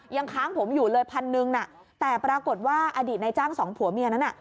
ยังค้างผมอยู่เลย๑๐๐๐บาทแต่ปรากฏว่าอดีตนายจ้าง๒ผัวเมียนั้น